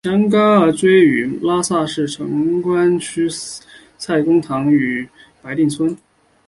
强嘎日追位于拉萨市城关区蔡公堂乡白定村。